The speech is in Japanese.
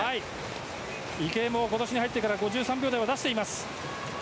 池江も今年に入ってから５３秒台を出しています。